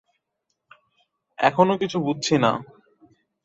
এখনো কিছু বুঝছি না।